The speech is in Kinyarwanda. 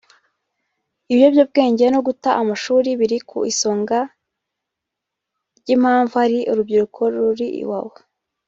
Ibiyobyabwenge no guta amashuri biri ku isonga ry’impamvu hari urubyiruko ruri Iwawa